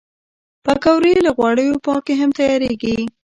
پکورې له غوړیو پاکې هم تیارېږي